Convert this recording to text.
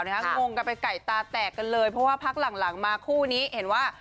งงกันไปไก่ตาแตกกันเลยเพราะว่าพักหลังมาคู่นี้เห็นว่า